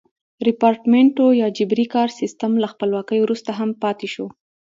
ریپارټمنټو یا جبري کاري سیستم له خپلواکۍ وروسته هم پاتې شو.